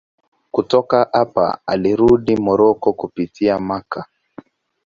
Kutoka hapa alirudi Moroko kupitia Makka.